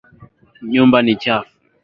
Nyumba ni chafu.